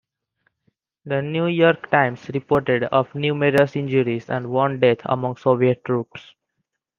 "The New York Times" reported of numerous injuries and one death among Soviet troops.